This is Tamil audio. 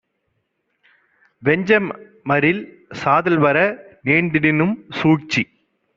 வெஞ்சமரில் சாதல்வர நேர்ந்திடினும் சூழ்ச்சி